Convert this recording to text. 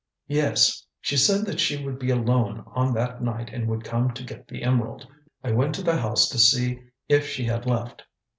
"Yes. She said that she would be alone on that night and would come to get the emerald. I went to the house to see if she had left.